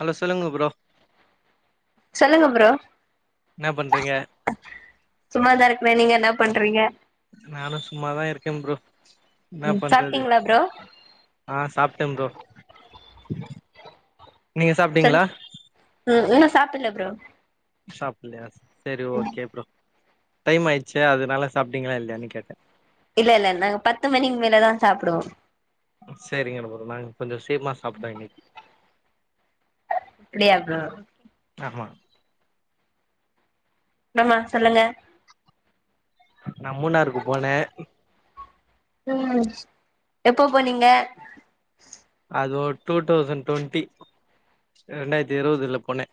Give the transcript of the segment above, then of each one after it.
Hello சொல்லுங்க bro சொல்லுங்க bro இன்னா பண்றிங்க சும்மாதா இருக்குறே நீங்க என்னா பண்றீங்க நானு சும்மாதா இருக்கே ப்ரோ என்ன ம் பண்றது சாப்டீங்ளா ப்ரோ ஆ சாப்டே ப்ரோ நீங்க சொல் சாப்டீங்ளா ம் இன்னு சாப்புட்ல ப்ரோ சாப்புட்லையா செரி ஓகே ப்ரோ டைம் ஆயிடுச்சே அதுனால சாப்டீங்ளா இல்லையன்னு கேட்டே இல்ல இல்ல நாங்க பத்து மணிக்கு மேலதா சாப்டுவோ செரிங்க ப்ரோ நாங்க கொஞ்சோ சிக்ரமா சாப்டோ இன்னிக்கக அப்டியா ப்ரோ ஆமா நாமா சொல்லுங்க நா மூனாறுக்கு போனே ம் எப்போ போனீங்க அது ஒரு டூ தௌசண்ட் டுவெண்ட்டி ரெண்டாயிரத்தி இருவதுல போனே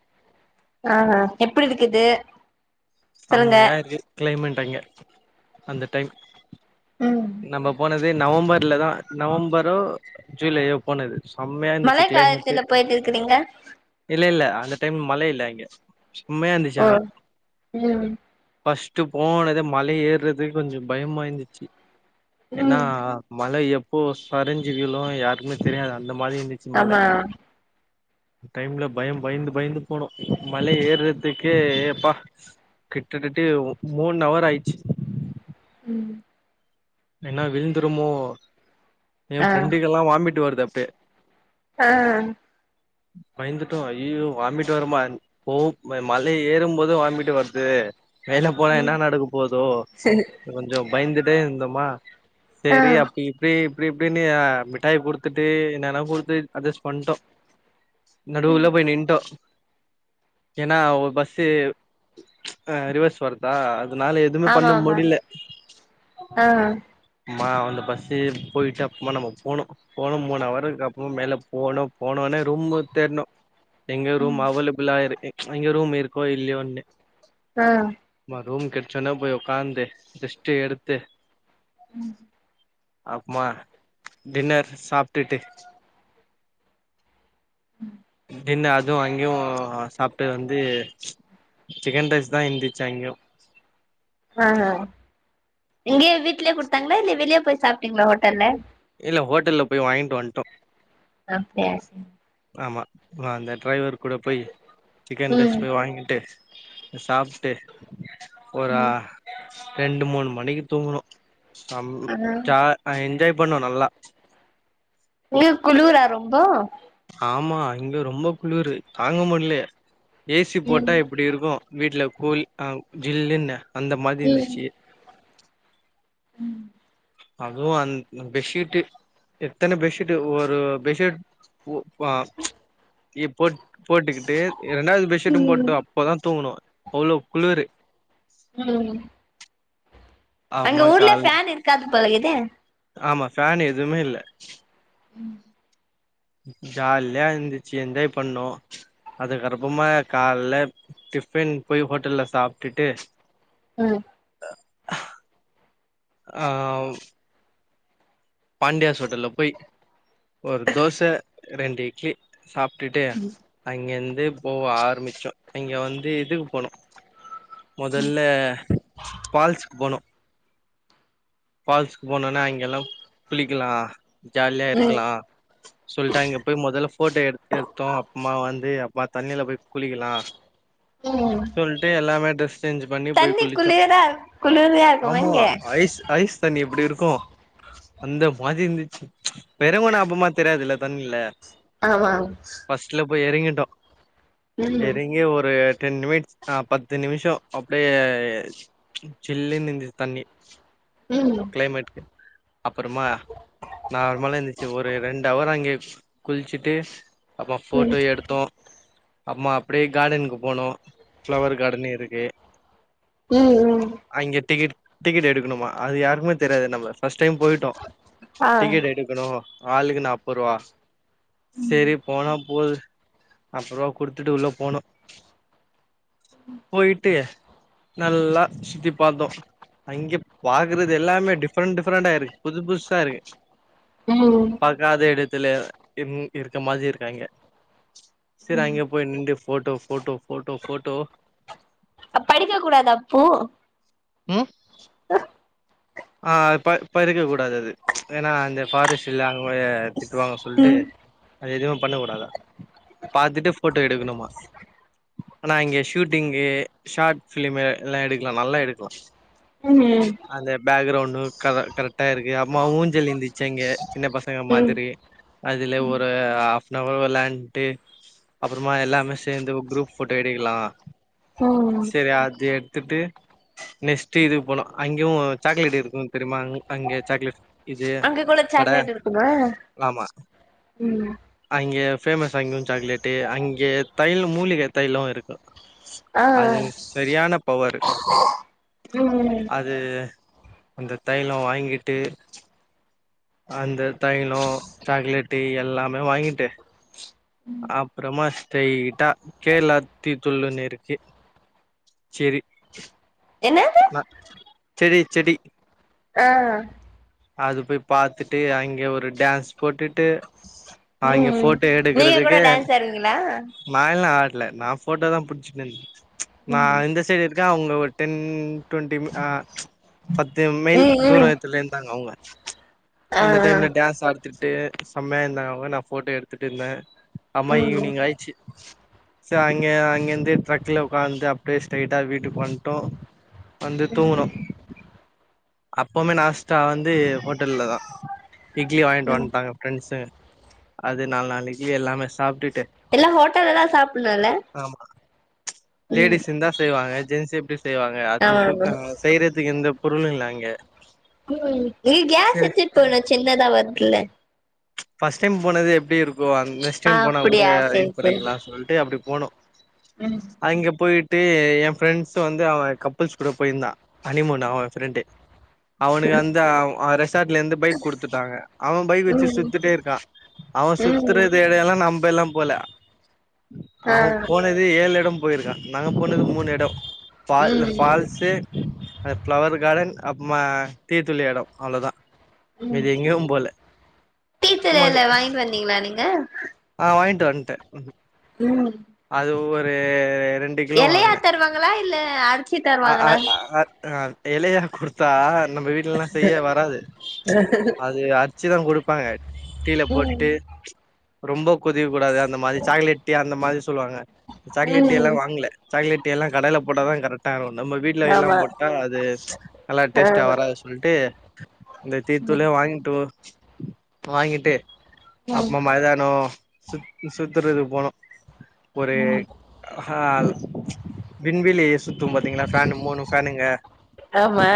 ஆ ஹா எப்புடி இருக்குது சொல்லுங்க செம்மையா இருக்கு கிளைமேட் அங்க அந்த டைம் ம் நம்ம போனது அது நவம்பர்ல தா நவம்பரோ ஜூலையோ போனது செம்மையா மழை இருந்துச்சு கிளைமட்டு காலத்துல போயிட்டு இருக்கிறீங்க இல்ல இல்ல அந்த டைம் மழ இல்ல இங்க செம்மையா இருந்துச்சி ஓ ஆனா ம் ஃபர்ஸ்ட் போனதே மல ஏற்றதே கொஞ்சோ பயமா இருந்துச்சி ஏன்னா ம் மல எப்போ சரிஞ்சி விழு யாருக்குமே தெரியாது அந்த மாரி இருந் ச்சி மல ஆமா அந்த டைம்ல பயம் பயந்து பயந்து போனோம் மல ஏற்றதுக்கே ப்பா கிட்ட கிட்டயே மூன் அவர் ஆயிச்சி ம் என்னா விழுந்துருமோ எயா ஆ ஃப்ரெண்டுக்கெல்லா வாமிட் வருது அப்டியை ஆ பயந்துட்டோ அய்யியோ வாமிட்டு் வருமா போ மல ஏறும்போது வாமிட்வர்து மேல போனா ம் என்ன நடக்க போதோ சரி கொஞ்சோ பயந்துட்டே இருந்தோமா ஆ சேரி அப்டி இப்டி இப்டி இப்டின்னு நீ மிட்டாய குடுத்துட்டு என்னென்னா குடுத்து அட்ஜஸ்ட் பண்ணிடோ நடுவுல போயி நின்டோ ஏன்னா ஒரு பஸ்ஸு ரிவர்ஸ் வருதா அதுனால எதுவுமே ஆமா பண்ண ஆமா முடில ஆ அம்மா அந்த பஸ்சு போயிட்டு அப்புறமா நம்மோ போனோ போனோ மூணு அவருக்கு அப்றோ மேல போனோ போன ஒன்னே ரூம்மு தேட்ணு எங்க ரூம் அவைலபிளா இரு எங்க ரூம் இருக்கோ இல்லையோன்னு அ அப்றமா ரூம் கெட்ச ஒன்ன போய் ஒக்காந்தே ரெஸ்ட் எடு்து அப்பமா டின்னர் சாப்டுட்டு ம் தின்னு அதுவு அங்கயு சாப்ட்டது வந்து சிக்கன் ரைஸ் தா இருந்துச்சு அங்கயு ஆ இங்கயே வீட்லயே குடுத்தாங்களா இல்ல வெளியே போய் சாப்பிட்டீங்களா ஹோட்டல்ல இல்ல ஹோட்டல்லல போய் வாங்கிட்டு வந்ட்டோ அப்டியா ச ஆமா நா அந்த டிரைவர் கூட போய் சிக்கன் ரைஸ் ம் போய் வாங்கிட்டு சாப்ட்டு ஒரு ம் ரெண்டு மூணு மணிக்கு தூங்குணோ செம் ஆ ஜாய் ஆ என்ஜாய் பண்ணோ நல்லா உங்ளுக் குளூரா ரொம்ப ஆமா இங்க ரொம்ப குளுர் தாங்கமடல ஏசி ம் போட்டா எப்படி இருக்கும் வீட்ல கூல் ஆ ஜில்ன்னு அந்த மாதிரி இருந்துச்சு ம் அதுவு அந்த பெஸீட்டு எத்தன பெட்ஷீட் ஒரு பெட்ஷீட் போ ஏ போட் போட்டுக்கிட்டு ரெண்டாவது பெட்ஷீட்டும் ம் போட்டோ அப்பதா தூங்கணோ அவ்ளோ குளுரு ம் ஆமா அங்க ஊர்லே கால் ஃபான் இருக்காது போலக்குதே ஆமா ஃபன் எதுவுமே இல்ல ம் ஜாலியா இருந்துச்சு என்ஜாய் பண்ணோ அதுக்கு அறமா காலைல டிஃபின் போய் ஹோட்டல்ல சாப்பிட்டுட்டு ம் ஆ பாண்டியாஸ் ஹோட்டல்ல போய் ஒரு தோச ரெண்டு இட்லி சாப்பிட்டுட்டு அங்கிருந்து போக ஆரம்பிச்சோ அங்க வந்து இதுக்கு போணோ மொதல்லே பால்ஸ்க் போணோ ஃபால்ஸ்க்கு போனோனா அங்க எல்லா குளிக்கலா ஜாலியா ம் இருக்கலா சொல்லிட்டு அங்க போய் மொதல்ல போட்டோ எடுத்து எடுத்தோ அப்பமா வந்து அப்பமா தண்ணியில போய் குளிக்கலா ம் சொல்லிட்டு எல்லாமே ட்ரெஸ் சேஞ்ச் பண்ணி போய் தண்ணி குளிச்சோம் குளிரா குளிர்யா இருக்குமா ஆமா இங்க ஐஸ் ஐஸ் தண்ணி எப்டி இருக்கும் அந்த மாரி இருந்துச்சு எறங்கனா அப்பமா தெரியாதுல்ல தண்ணில ஆமா ஃபர்ஸ்ட்ல போய் எறங்கிட்டோ ம் எறங்கி ஒரு டென் மினிட்ஸ் ஆ பத்து நிமிஷோ அப்டியே சில்லுன்ந்தது தண்ணி ம் கிளைமட்டுக்கு அப்பறமா நார்மலா இருந்துச்சு ஒரு ரெண்டு அவர் அங்கே குளிச்சுட்டு அப்பமா ம் ஃபோட்டோ எடுத்தோ அப்பமா அப்டியே கார்டனுக்கு போனோ ஃப்ளவர் கார்டன் இருக்கு ம் ம் அங்க டிக்கெ டிக்கெட் எடுக்குனுமா அது யாருக்மே தெரியாது நம்ம ஃபர்ஸ்ட் டைம் போயிட்டு டோ ஆ டிக்கெட் எடுக்கணும் ஆளுக்கு நாப்பருவா சரி போனா போது நாப்பருவா குடுத்துட்டு உள்ள போனோ போயிட்டு நல்லா சுத்தி பாத்தோ அங்க பாக்குறது எல்லாமே டிஃப்ரெண்ட் டிஃப்ரெண்ட்டா இருக்கு புது புதுசா இருக்கு ஓ பாக்காத இடத்துல ம் இருக்க மாதிரி இருக்காய்ங்க சரி அங்க போய் நின்டு ஃபோட்டோ ஃபோட்டோ ஃபோட்டோ ஃபோட்டோ படிக்க கூடாதா அப்போ ம் ஆஹ ஆ பறிக்க கூடாது அது ஏன்னா அங்க ஃபாரஸ்ட்ல அங்ககொய திட்டுவாங்க சொல்ட்டு ம் அது எதுவு பண்ண கூடாதா பாத்துட்டு ஃபோட்டோ எடுக்கணுமா ஆனா இங்க ஷூட்டிங்கு ஷார்ட் பிலிம் எல்லா எடுக்கலா நல்லா எடுக்கலா ம் ஹூ ம் அந்த பேக்ரவுண்டு கரெக்ட்டா இருக்கு அம்மா ஊஞ்சல் இருந்துச்சு அங்க சின்ன பச ங்க ம் மாதிரி அதுல ஒரு ஹாப்னவர் வெளான்ட்டு அப்பறமா எல்லாமே சேந்து ஒரு குரூப் போட்டோ எடுக்லா ம் சரி அது எடுத்துட்டு நெக்ஸ்ட் இது போனோ அங்கயு சாக்லேட் இருக்கு தெரிமா அங்க சாக்லேட் இது அங்க கூட கடை சாக்லேட் இருக்குமா ஆமா ம் அங்க பேஃமஸ் அங்கயு சாக்லேட்டு அங்க தைல மூலிகை தைல இருக்கு ஆ அது சரியான பவரு ம் அது அந்த தைல வாங்கிட்டு அந்த தைல சாக்லேட்டு எல்லாமே வாங்கிட்டு அப்றமா ஸ்ட்ரைட்டா கேரளா டீ தூள்னு இருக்கு செர்ரி என்னது நா செடி செடி ஆ அது போய் பாத்துட்டு அங்க ஒரு டான்ஸ் போட்டுட்டு அங்க ம் ஃபோட்டோ நீங்க கூட எடுக்குறதுக்கு டான்ஸ் ஆடுவீங்களா நாயெல்லா ஆடல நா ஃபோட்டோ தா புடிச்சுன் நின் நா ம் இந்த சைடு இருக்க அவங்கள ஒரு டென் டுவெண்ட்டி அ பத்து மைல் ம் ம் தூரத்துல இருந்தாங்க அவங்க ஆ அந்த ஆ டைம்ல டான்ஸ் ஆ துட்டு செம்மையா இருந்தாங்க அவங்க நா ஃபோட்டோ எடுத்துட்டு இருந்த அம்ம ம் ஈவினிங் ஆய்ச்சு ச அங்க அங்கருந்து டிரக்ல உக்காந்து அப்டியே ஸ்ட்ரைட்டா வீட்டுக்கு வந்ட்டோ வந்து தூங்குனோ அப்பமே நாஸ்டா வந்து ஹோட்டல்ல தா இட்லி வாங்கிட்டு ம் வந்ட்டாங்க ஃப்ரெண்ட்ஸ்ங்க அது நால்நாலு இட்லி எல்லாமே சாப்ட்டுட்டு எல்லா ஹோட்டல்ல தா சாப்புட்ணுல ஆமா ம் லேடிஸ் இருந்தா செய்வாங்க ஜென்ஸ் எப்டி செய்வாங்க அதுவு ஆமா கு அ ஆமா செய்றதுக்கு எந்த பொருளு இல்ல அங்க நீ கேஸ் சரி எடுத்துட்டு போனு சின்னதா வர்துல ஃபர்ஸ்ட் டைம் போனது எப்டி இருக்கு அது நெக்ஸ்ட் ஆ டைம் போனா கூட அப்டியா இது சேரி சேரி பண்ணிக்கலா சொல்ட்டு அப்டி போனோ ம் அங்க போய்ட்டு எ ஃப்ரெண்ட்ஸ் வந்து அவ கப்புள்ஸ் கூட போய்ருந்தா ஹனிமூன் அவ ஃப்ரெண்டு அவனுக்கு அந்த அ ரெசார்ட்ல இருந்து பைக் குடுத்துட்டாங்க அவ பைக் வ ச்சு ம் சுத்தட்டே இருக்கா அவ ம் சுத்துறது இடயெல்லா நம்ப எல்லா போல ஆ அவன் போனது ஏழு எடோ போயிருக்கா நாங்க போனது மூணு எடோ ஃபால் ம் ஃபால்ஸ் அந்த ஃபிளவர் கார்டன் அப்றோமா டீ தூள் எடோ அவ்ளோதா ம் மீதி எங்கியு போல டீச்சர் எல வாங்கிட் வந்தீங்ளா நீங்க ஆ‍ வாங்கிட்‌ வண்ட்ட ம் அது ஒரு ரெண்- எலையா தருவாங்களா இல்ல அற்த் அ அ அ எலையா குடுத்தா நம்ம வீட் லல்லா செய்ய வராது அது அரிச்சீதா குடுப்பாங்க டீல ம் போட்டு ரொம்ப கொதிக்க கூடாது அந்த மாதிரி சாக்லேட் டீ அந்த மாதிரி சொல்லுவாங்க சாக்லேட் டீ எல்லா ம் வாங்குல சாக்லேட் டீ எல்லா கடையில போட்டாதா கரெக் டா நம்ம வீடல எல்லா ஆமா போட்டா அது நல்லா டேஸ்ட்டா ஆமா வராது சொல்ட்டு இந்த டீ தூளே வாங்கிட் டூ வாங்கிட்டு அப்பமா ம் மைதானோ சுத் சுத்துறதுக்கு போனோ ஒரு ம் ஹா வின்விலிஸ் சுத்து பாத்தீங்களா ஃபேன் மூணு ஃபேனுங்க ஆமா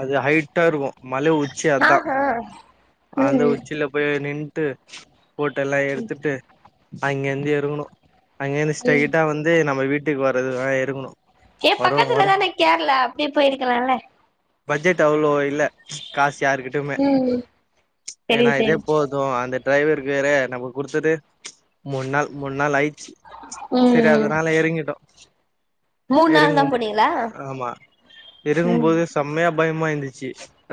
அது ஹை ட்டா இருக்கு மலை உச்சி அதா ஆஹா அந்த ம் உச்சியில போய் நின்ட்டு போட்டோ எல்லா எடுத்துட்டு அங்கே இருந்து எறங்குணு அங்கே இருந்து ம் ஸ்ட்ரைட்டா வந்து நம்ம வீட் ட்டுக்கு வரதுதா எடுக்குணு ஏ பக்கத்துலதான கேரளா அப்டி போயிருக்கலால்ல பட்ஜெட் அவ்ளோ இல்ல காசு யாருக்கிட்டமே ம் சரி ஏனா இதே சரி போது தோ அந்த டிரைவருக் வேறயா நம்ம குடுத்தது மூணு நாள் மூணு நாள் ஆயிச்சு சரி ம் அதுனால எறங்கிட்டோ மூணு நாள் தான் எறங்குபோ போனீங்களா ஆமா ம் எறங்கும்போது செம்மையா பயமாயிந்துச்சு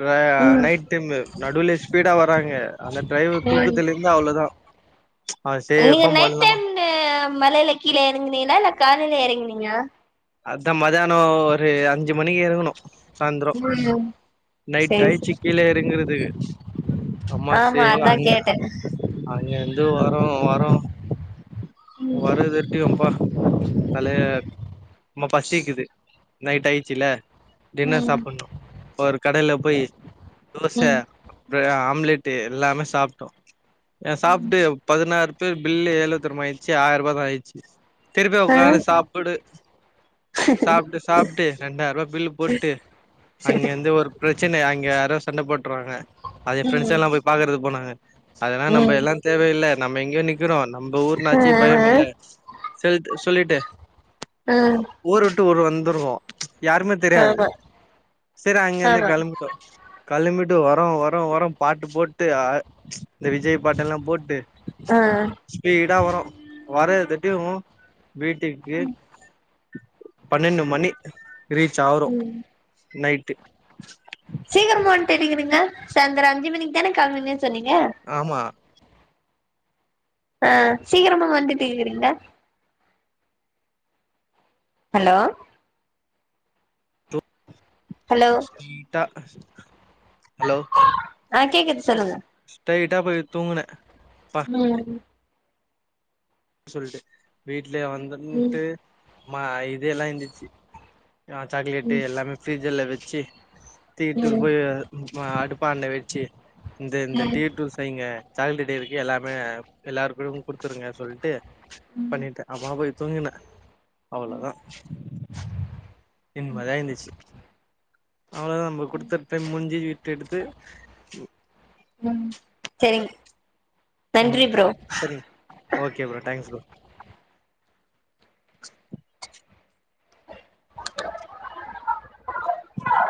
ரா ம் நைட் டைம் நடுவில ஸ்பீடா வராங்க அந்த டிரைவர் ம் தூக்கத்துல இருந்த அவ்ளோதா [inaudible] நீங்க சேஃபா நைட் மொல்லமா டைம் மலையில கீழ எறங்குனீங்களா இல்ல காலையில எறங்குனீங்களா அதா மதியானோ ஒரு அஞ்சு மணிக்கு எருக்குனோ சாந்திரோ ம் நைட் சரி ஆயிச்சு சரி கீழ எறங்கறதுக்கு அம்மாஸு ஆமா அதான் அங்க கேட்டேன் அங்க இருந்து வரோ வரோ வருதிருட்டியு ப்பா தலய ம் பசிக்குது நைட் ஆயிடுச்சுல்ல டின்னர் ம் சாப்பின்னு ஒரு கடையில போயி தோச ம் ஒரு ஆம்லெட்டு் எல்லாமே சாப்டோ எ சாப்ட்டு பதினாறு பேர் பில்லு எவ்ளோ தெரிமா ஆயிச்சு ஆயிர் ரூபா தா ஆயிச்சு திருப்பி ஆ உக்காரு சாப்புடு சாப்ட்டு சாப்ட்டு ரெண்டாயிர் ரூபா பில்லு போட்டு அங்க இருந்து ஒரு பிரச்சன அங்க யாரோ சண்ட போட்டுறாங்க அத ஏ! ஃபிரண்ட்ஸ் ம் எல்லா போய். பாக்குறதுக்கு போனாங்க அதனா நம்ப ம் எல்லா தேவயில்ல நம்ம எங்கேயோ நிக்கிறோ நம்ப ஊர் ஆ னாச்சி பயம் ஆ இல்ல செல் சொல்லிட்டு ஊரு விட்டு ஊரு வந்துருவோ யாருமே தெரியாது ஆமா சரி அங்கிருந்து ஆமா கெளம்பிட்டோ களம்பிட்டு வரோ வரோ வரோ பாட்டு போட்டு அ இந்த விஜய் பாட்டு எல்லா போட்டு ஆ ஸ்பீடா வரோ வர தட்டியு வீட்டுக்கு பன்னெண்டு மணி ரீச் ஆவுரோ ம் நைட்டு சீக்கரமா வன்டிருக்கிறீங்க சாய்ந்தர அஞ்சு மணிக்கு தான களம்புவீங்கன் சொன்னீங்க ஆமா ஆ சீக்கிரமா வந்துட்டு இருக்குறீங்க ஹலோ ஹலோ ஜீட்டா ஹலோ ஆ கேக்குது சொல்லுங்க ஸ்டைட்டா போய் தூங்கன ம் சொல்ட்டு வீட்லயே ம் வந்துன்ட்டு மா இதுஎல்லா இருந்துச்சு ஆ சாக்லேட்டு் ம் எல்லாமே ஃப்ரிஜ்ல்ல வச்சு தீட்டுள் ம் போய் அடுப்பாண்ட வச்சு இந்த இந்த ம் டீட்டுள் வைங்க சாக்லேட் இருக்கு எல்லாமே எல்லாருக்கு குடுத்துருங்க சொல்ட்டு பண்ணிட்ட அப்பாமா போய் தூங்கின அவ்ளோதா நிம்மதியா இருந்துச்சு அவ்ளோதா நம்ம குடுத்தடைம் முடிஞ்சி விட்டு எடுத்து ம் சேரிங் ம் சரிங்க ஓகே ப்ரோ டேங்க்ஸ் ப்ரோ [inaudible]